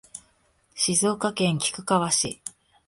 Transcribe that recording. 静岡県菊川市